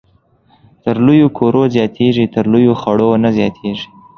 تر لويو کورو زياتېږي ، تر لويو خړو نه زياتېږي